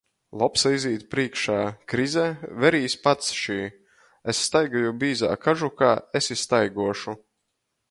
Lopsa izīt prīškā: “Krize? Verīs pats šī – es staiguoju bīzā kažukā, es i staiguošu.”